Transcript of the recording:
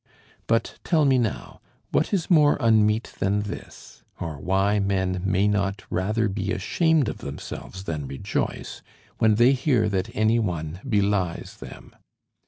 But tell me now, what is more unmeet than this; or why men may not rather be ashamed of themselves than rejoice, when they hear that any one belies them.